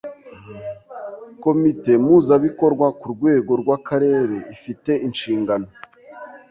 Komite Mpuzabikorwa ku rwego rw’Akarere ifi te inshingano